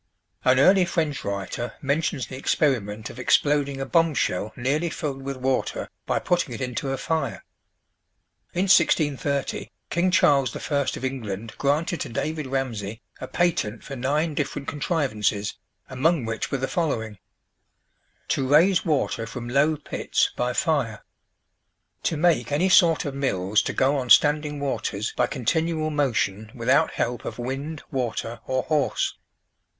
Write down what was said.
An early French writer mentions the experiment of exploding a bomb shell nearly filled with water by putting it into a fire. In 1630 King Charles the First of England granted to David Ramseye a patent for nine different contrivances, among which were the following: "To raise water from low pits by fire. To make any sort of mills to go on standing waters by continual motion without help of wind, water, or horse.